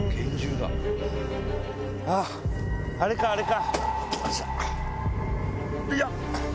あっ、あれか、あれか。